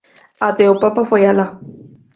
Até o Papa foi alá.